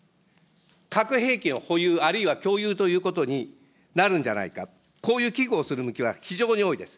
核兵器の保有、あるいは共有ということになるんじゃないか、こういう危惧をする向きは非常に多いです。